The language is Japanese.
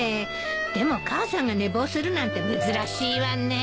でも母さんが寝坊するなんて珍しいわねえ。